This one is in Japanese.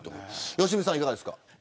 良純さんはいかがですか。